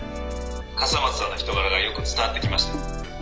笠松さんの人柄がよく伝わってきました」。